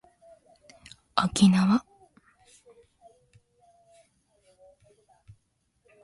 おきなわ